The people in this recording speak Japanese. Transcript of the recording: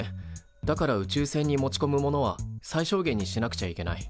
だから宇宙船に持ちこむものは最小限にしなくちゃいけない。